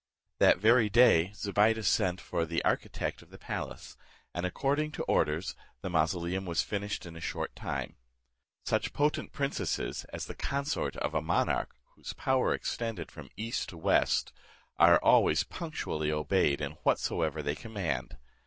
That very day Zobeide sent for the architect of the palace, and, according to orders, the mausoleum was finished in a short time. Such potent princesses as the consort of a monarch, whose power extended from east to west, are always punctually obeyed in whatsoever they command.